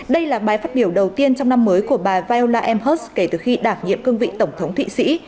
đây là bài phát biểu đầu tiên trong năm mới của bà viola amherst kể từ khi đảm nhiệm cương vị tổng thống thụy sĩ